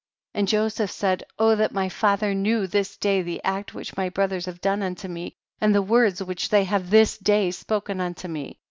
33. And Joseph said, O that my father knew, this day, the act which my brothers have done unto me, and the words which they have this day spoken unto me.